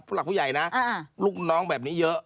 หลักผู้ใหญ่นะลูกน้องแบบนี้เยอะ